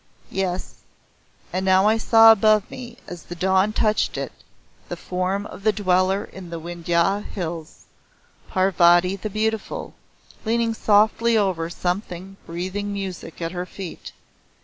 Yes, and now I saw above me as the dawn touched it the form of the Dweller in the Windhya Hills, Parvati the Beautiful, leaning softly over something breathing music at her feet.